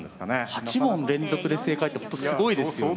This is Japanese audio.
８問連続で正解ってほんとすごいですね。